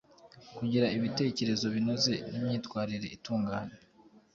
Kugira ibitekerezo binoze n’imyitwarire itunganye